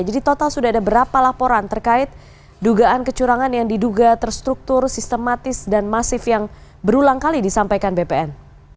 jadi total sudah ada berapa laporan terkait dugaan kecurangan yang diduga terstruktur sistematis dan masif yang berulang kali disampaikan bpn